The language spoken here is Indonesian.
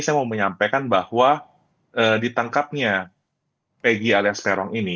saya mau menyampaikan bahwa ditangkapnya peggy alias terong ini